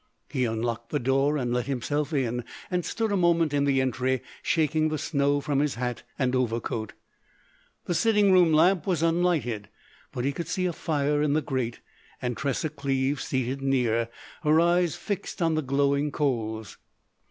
He unlocked the door and let himself in and stood a moment in the entry shaking the snow from his hat and overcoat. The sitting room lamp was unlighted but he could see a fire in the grate, and Tressa Cleves seated near, her eyes fixed on the glowing coals.